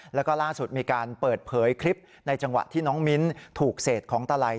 แล้วก็ล่าสุดมีการเปิดเผยคลิปในจังหวะที่น้องมิ้นถูกเศษของตะไล